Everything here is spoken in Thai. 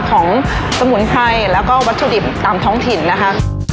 สมุนไพรแล้วก็วัตถุดิบตามท้องถิ่นนะคะ